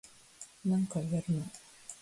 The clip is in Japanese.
何回やるの